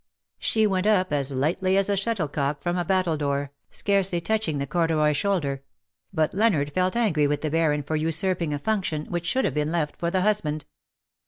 She went up as lightly as a shuttlecock from a battledore, scarcely touching the corduroy shoulder — but Leonard felt angry with the Baron for usurping a function which should have been left for the husband.